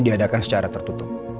diadakan secara tertutup